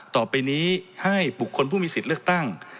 ต่อไปนี้ให้บุคคลผู้มีสิทธิ์เลือกตั้ง